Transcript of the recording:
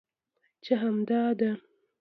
چې همداسې ده؟